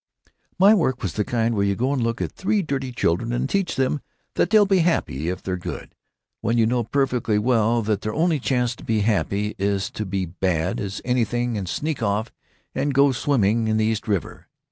"My work was the kind where you go in and look at three dirty children and teach them that they'll be happy if they're good, when you know perfectly well that their only chance to be happy is to be bad as anything and sneak off to go swimming in the East River.